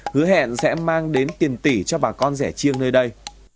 hứa hẹn sẽ mang đến tiền tỷ cho bà con rẻ chiêng nơi đây